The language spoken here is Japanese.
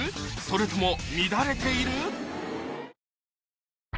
それとも乱れている？